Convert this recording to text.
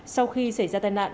sau khi xảy ra tai nạn